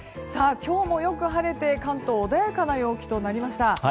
今日もよく晴れて、関東は穏やかな陽気となりました。